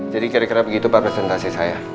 jadi kira kira begitu pak presentasi saya